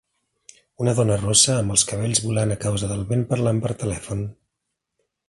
Una dona rossa amb els cabells volant a causa del vent parlant per telèfon